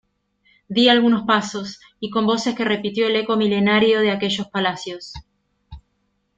di algunos pasos, y con voces que repitió el eco milenario de aquellos palacios